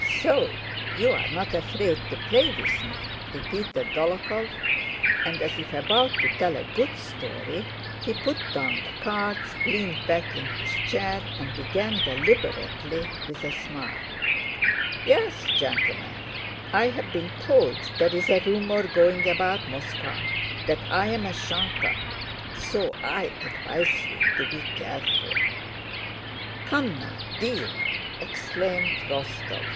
"So you are not afraid to play with me?" repeated Dólokhov, and as if about to tell a good story he put down the cards, leaned back in his chair, and began deliberately with a smile: "Yes, gentlemen, I've been told there's a rumor going about Moscow that I'm a sharper, so I advise you to be careful." "Come now, deal!" exclaimed Rostóv.